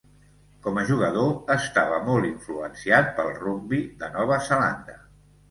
Com a jugador, estava molt influenciat pel rugbi de Nova Zelanda.